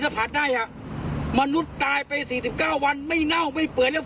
ผมไม่รู้ว่า๘ปีผมไปเกิดเป็นยัง